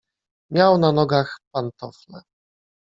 "Miał na nogach pantofle."